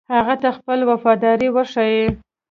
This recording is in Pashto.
هغه ته خپله وفاداري وښيي.